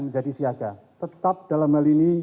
menjadi siaga tetap dalam hal ini